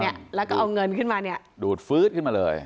เนี่ยแล้วก็เอาเงินขึ้นมาเนี่ยดูดฟื๊ดขึ้นมาเลย